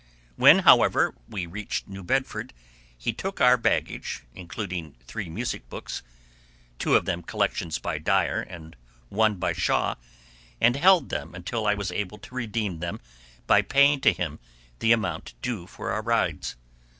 When, however, we reached New Bedford, he took our baggage, including three music books,—two of them collections by Dyer, and one by Shaw,—and held them until I was able to redeem them by paying to him the amount due for our rides.